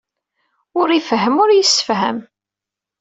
Ur ifehhem, ur yessefham.